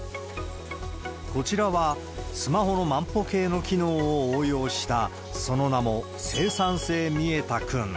こちらは、スマホの万歩計の機能を応用した、その名も生産性見え太君。